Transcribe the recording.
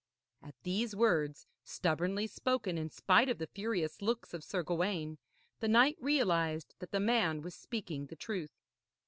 At these words, stubbornly spoken in spite of the furious looks of Sir Gawaine, the knight realised that the man was speaking the truth.